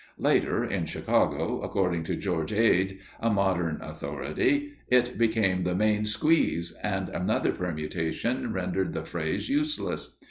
Later, in Chicago, according to George Ade, a modern authority, it became the "main squeeze," and another permutation rendered the phrase useless.